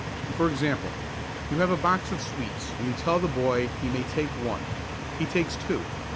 For example: You have a box of sweets and you tell the boy he may take one. He takes two.